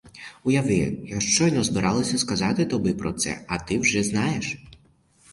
Уяви, я щойно збиралася сказати тобі про це, а ти вже знаєш.